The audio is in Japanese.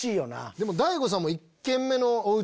でも大悟さんも。